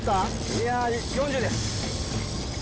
いや４０です